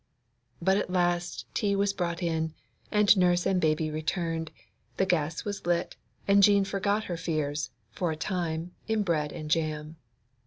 But at last tea was brought in; nurse and Baby returned, the gas was lit, and Jean forgot her fears, for a time, in bread and jam.